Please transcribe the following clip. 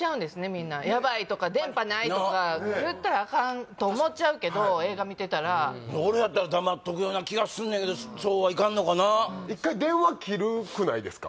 みんなヤバいとか電波ないとか言ったらアカンと思っちゃうけど映画見てたら俺やったら黙っとくような気がすんのやけどそうはいかんのかな一回電話切るくないですか？